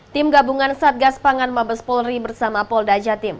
tim gabungan satgas pangan mabes polri bersama pol dajatim